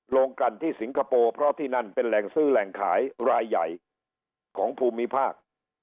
ลงกันที่สิงคโปร์เพราะที่นั่นเป็นแหล่งซื้อแหล่งขายรายใหญ่ของภูมิภาค